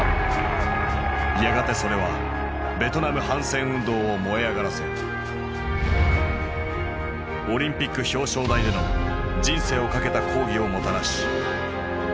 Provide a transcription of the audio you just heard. やがてそれはベトナム反戦運動を燃え上がらせオリンピックの表彰台での人生をかけた抗議をもたらし。